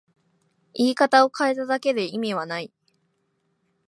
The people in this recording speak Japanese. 言い方を変えただけで意味はない